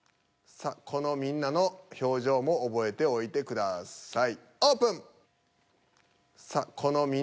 さあこのみんなの表情も覚えておいてください。